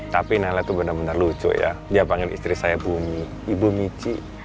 tapi nenek itu benar benar lucu ya dia panggil istri saya bumi ibu michi